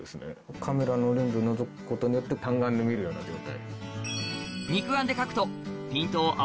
カメラのレンズのぞくことによって単眼で見るような状態。